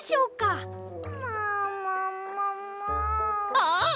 ああ！